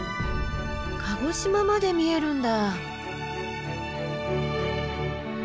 鹿児島まで見えるんだ。